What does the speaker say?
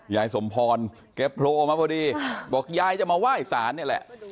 ยายสมพรแกโผล่มาพอดีบอกยายจะมาไหว้สารนี่แหละ